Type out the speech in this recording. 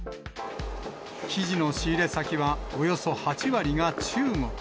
生地の仕入れ先はおよそ８割が中国。